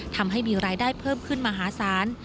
ทำให้มีรายได้เพิ่มขึ้นมหาศาล